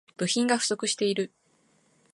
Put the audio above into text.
部品が不足している